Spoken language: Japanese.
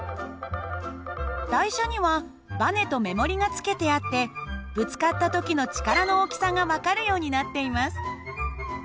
台車にはばねと目盛りが付けてあってぶつかった時の力の大きさが分かるようになっています。